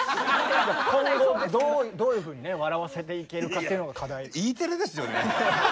今後どういうふうに笑わせていけるかっていうのが課題。